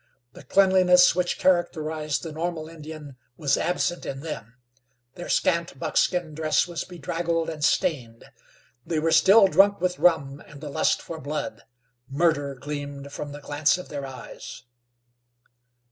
The cleanliness which characterized the normal Indian was absent in them; their scant buckskin dress was bedraggled and stained. They were still drunk with rum and the lust for blood. Murder gleamed from the glance of their eyes.